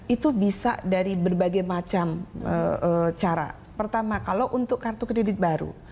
itu bisa dari berbagai macam cara pertama kalau untuk kartu kredit baru